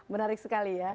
menarik sekali ya